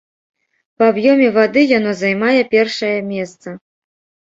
Па аб'ёме вады яно займае першае месца.